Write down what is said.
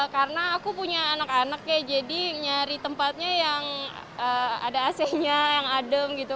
karena aku punya anak anak ya jadi nyari tempatnya yang ada ac nya yang adem gitu